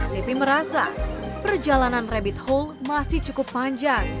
devi merasa perjalanan rabbit hole masih cukup panjang